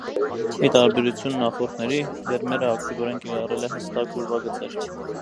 Ի տարբերություն նախորդների՝ Վերմեերը ակտիվորեն կիրառել է հստակ ուրվագծեր։